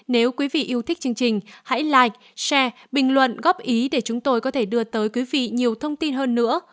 nếu quý vị yêu thích chương trình hãy live bình luận góp ý để chúng tôi có thể đưa tới quý vị nhiều thông tin hơn nữa